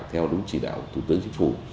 theo đúng chỉ đạo của thủ tướng chính phủ